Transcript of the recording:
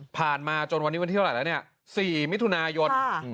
มาจนวันนี้วันที่เท่าไหร่แล้วเนี่ย๔มิถุนายน